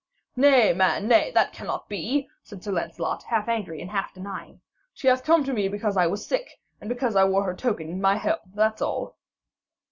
'Nay, man, nay, that cannot be,' said Sir Lancelot, half angry, half denying. 'She hath come to me because I was sick, and because I wore her token in my helm, that's all.'